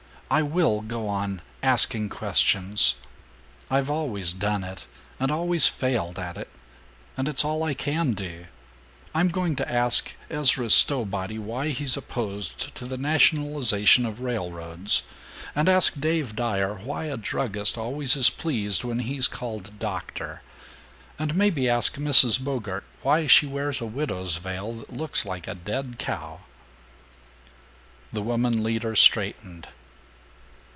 I will go on asking questions. I've always done it, and always failed at it, and it's all I can do. I'm going to ask Ezra Stowbody why he's opposed to the nationalization of railroads, and ask Dave Dyer why a druggist always is pleased when he's called 'doctor,' and maybe ask Mrs. Bogart why she wears a widow's veil that looks like a dead crow." The woman leader straightened.